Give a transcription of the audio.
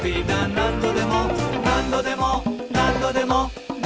「なんどでもなんどでもなんどでも」